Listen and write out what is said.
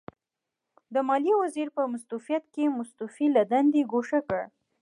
د ماليې وزیر په مستوفیت کې مستوفي له دندې ګوښه کړ.